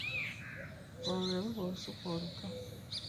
Olwo lwe luba olusuku oluto.